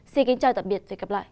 xin kính chào và tạm biệt